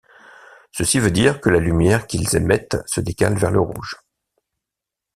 Ceci veut dire que la lumière qu'ils émettent se décale vers le rouge.